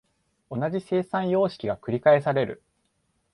同じ生産様式が繰返される。